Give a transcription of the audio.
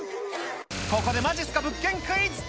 ここで、まじっすか物件クイズ。